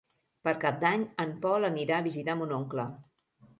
Per Cap d'Any en Pol anirà a visitar mon oncle.